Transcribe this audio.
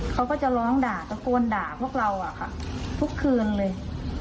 เขาก็จะร้องด่าตะโกนด่าพวกเราทุกคืนเลย